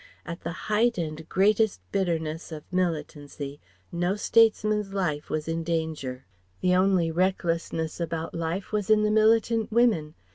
At the height and greatest bitterness of militancy no statesman's life was in danger. The only recklessness about life was in the militant women.